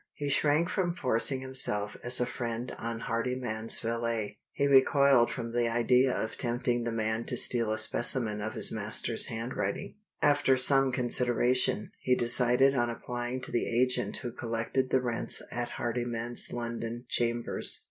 He shrank from forcing himself as a friend on Hardyman's valet: he recoiled from the idea of tempting the man to steal a specimen of his master's handwriting. After some consideration, he decided on applying to the agent who collected the rents at Hardyman's London chambers.